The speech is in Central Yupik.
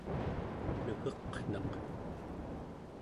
negeqnaq